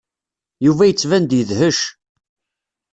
Yuba yettban-d yedhec.